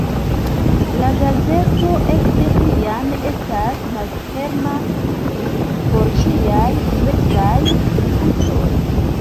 La gazeto ekde tiam estas malferma por ĉiaj diversaj vidpunktoj.